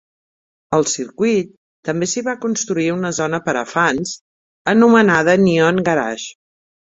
Al circuit també s'hi va construir una zona per a fans anomenada Neon Garage.